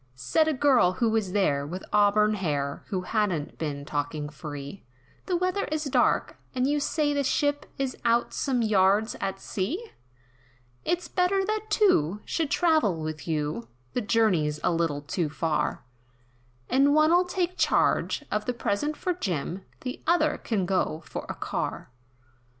Said a girl, who was there, with auburn hair, Who hadn't been talking free, "The weather is dark, and you say the ship, Is out some yards at sea, "It's better that two, should travel with you, The journey's a little too far, And one'll take charge of the present from Jim, The other, can go for a car."